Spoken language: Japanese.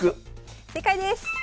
正解です！